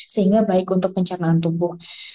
sehingga baik untuk pencernaan tubuh